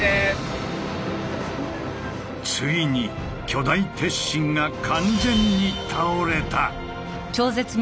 ついに巨大鉄心が完全に倒れた。